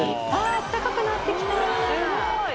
あったかくなってきた。